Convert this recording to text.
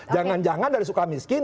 jangan jangan dari suka miskin